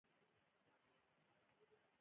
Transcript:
ژبه مو اباده او ژوندۍ اوسه.